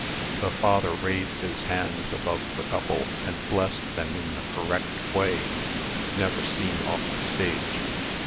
The father raised his hands above the couple, and blessed them in the correct way, never seen off the stage.